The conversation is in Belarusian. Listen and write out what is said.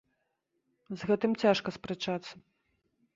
З гэтым цяжка спрачацца.